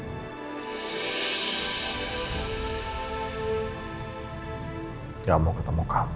dia tidak mau ketemu kamu